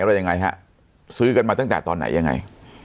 ว่ายังไงฮะซื้อกันมาตั้งแต่ตอนไหนยังไง